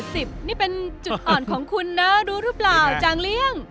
ดูรึเปล่าจังเลี่ย